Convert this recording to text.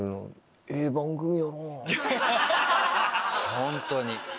ホントに。